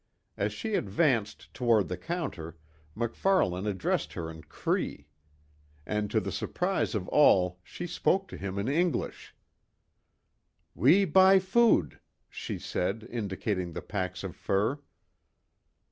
As she advanced toward the counter MacFarlane addressed her in Cree. And to the surprise of all she spoke to him in English: "We buy food," she said, indicating the packs of fur.